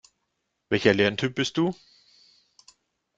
Welcher Lerntyp bist du?